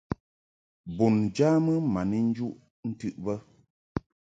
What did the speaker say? Bun njamɨ ma ni yuʼ ntɨʼ bə.